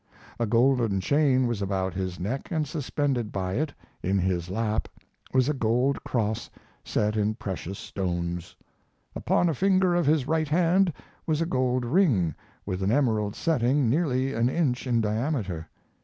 A golden chain was about his neck and suspended by it in his lap was a gold cross set in precious stones. Upon a finger of his right hand was a gold ring with an emerald setting nearly an inch in diameter.